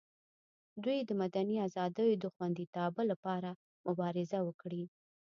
دوی د مدني ازادیو د خوندیتابه لپاره مبارزه وکړي.